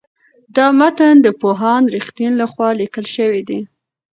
دا متن د پوهاند رښتین لخوا لیکل شوی دی.